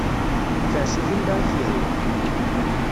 Sers-it anda i k-yehwa.